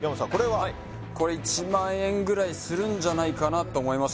はいこれ１００００円ぐらいするんじゃないかなと思います